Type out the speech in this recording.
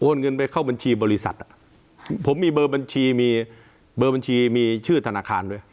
เงินไปเข้าบัญชีบริษัทอ่ะผมมีเบอร์บัญชีมีเบอร์บัญชีมีชื่อธนาคารด้วย